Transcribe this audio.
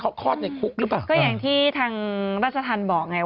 แบบทางบาชทันบอกไง